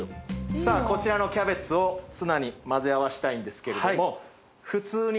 さぁこちらのキャベツをツナに混ぜ合わせたいんですけれども。